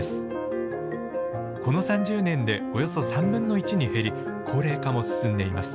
この３０年でおよそ３分の１に減り高齢化も進んでいます。